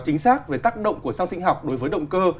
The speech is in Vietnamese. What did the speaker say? chính xác về tác động của sau sinh học đối với động cơ